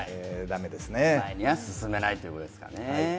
前には進めないということですかね。